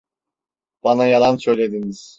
Bana yalan söylediniz.